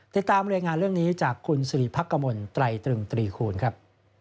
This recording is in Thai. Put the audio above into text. ติดตามรายงานเรื่องนี้จากคุณสิริพักกมลไตรตรึงตรีคูณครับ